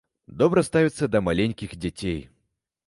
Добра ставіцца да маленькіх дзяцей.